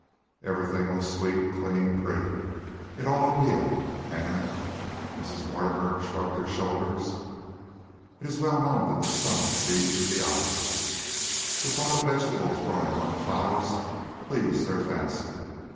Everything was sweet, clean, pretty. It all appealed. And " Mrs. Mortimer shrugged her shoulders. "It is well known that the stomach sees through the eyes. The thought of vegetables growing among flowers pleased their fancy.